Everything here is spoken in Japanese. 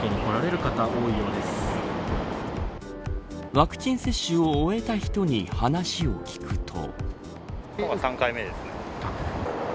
ワクチン接種を終えた人に話を聞くと。